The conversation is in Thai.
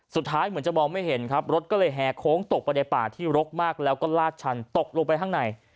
สุดท้ายเหมือนจะมองไม่เห็นครับรถก็เลยแห่โค้งตกไปในป่าที่รกมากแล้วก็ลาดชันตกลงไปข้างใน